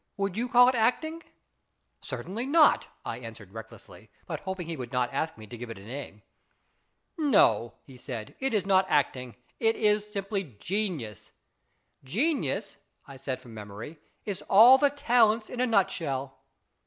Would you call it acting ?"" Certainly not," I answered recklessly, but hoping he would not ask me to give it a name. " No," he said, " it is not acting. It is simply genius." " Genius," I said from memory, " is all the talents in a nutshell."